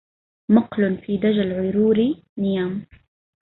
مقل في دجى العرور نيام